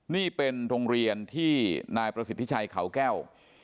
นี่เป็นโรงเรียนที่นายประสิทธิชัยเขาแก้ว